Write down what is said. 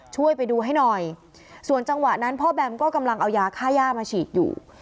ช่วยไปดูให้หน่อยส่วนจังหวะนั้นพ่อแบมก็กำลังเอายาค่าย่ามาฉีดอยู่